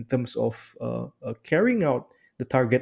target seperti yang anda katakan